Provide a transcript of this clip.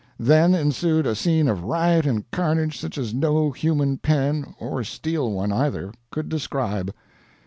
Then ensued a scene of riot and carnage such as no human pen, or steel one either, could describe.